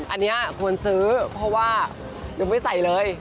อันนี้ควรซื้อเพราะว่ายังไม่ใส่เลย